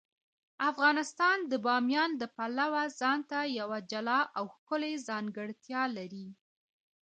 افغانستان د بامیان د پلوه ځانته یوه جلا او ښکلې ځانګړتیا لري.